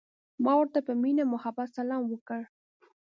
ما ورته په مینه او محبت سلام وکړ.